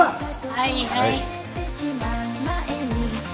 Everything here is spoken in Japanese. はいはい。